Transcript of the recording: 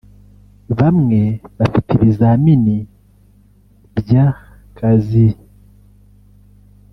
bamwe bafite ibizamini bya kazi